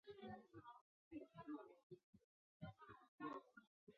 生于云南昆明。